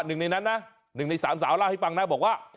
หนึ่งในนั้นนะ๑ใน๓สาวเล่าให้ฟังนะบอกว่า